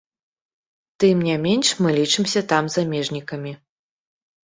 Тым не менш, мы лічымся там замежнікамі.